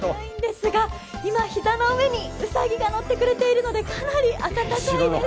今、膝の上にうさぎが乗ってくれているのでかなり温かいです。